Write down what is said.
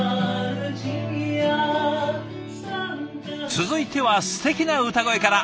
続いてはすてきな歌声から。